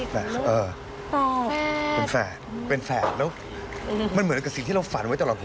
แต่เป็นแฝดเป็นแฝดแล้วมันเหมือนกับสิ่งที่เราฝันไว้ตลอดผม